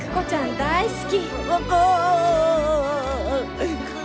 大好き。